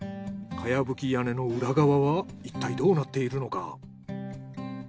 茅葺き屋根の裏側はいったいどうなっているのか。